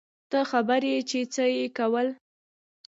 ته خبر يې چې څه يې کول.